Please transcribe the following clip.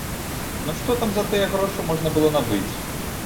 Ну, што там за тыя грошы можна было набыць?